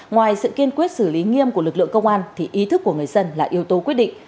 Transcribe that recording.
ngoài sự kiên quyết xử lý nghiêm của lực lượng công an thì ý thức của người dân là yếu tố quyết định